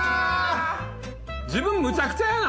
自分むちゃくちゃやな！